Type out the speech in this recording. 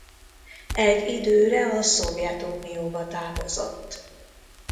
Egy időre a Szovjetunióba távozott.